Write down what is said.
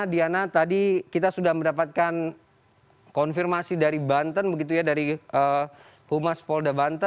diana tadi kita sudah mendapatkan konfirmasi dari banten begitu ya dari humas polda banten